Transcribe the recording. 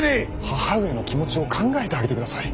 義母上の気持ちを考えてあげてください。